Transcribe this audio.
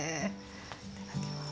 いただきます。